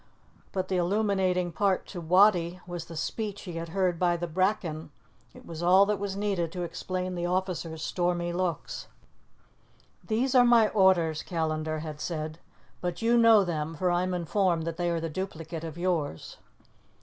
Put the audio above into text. But the illuminating part to Wattie was the speech he had heard by the bracken: it was all that was needed to explain the officer's stormy looks. "These are my orders," Callandar had said, "but you know them, for I am informed that they are the duplicate of yours."